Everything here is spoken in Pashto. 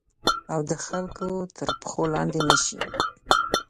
او د خلګو تر پښو لاندي نه شي